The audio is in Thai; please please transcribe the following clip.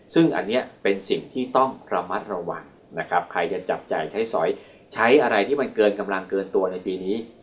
ซึ่งอันนี้เป็นสิ่งที่ต้องระมัดระวังนะครับใครจะจับจ่ายใช้สอยใช้อะไรที่มันเกินกำลังเกินตัวในปีนี้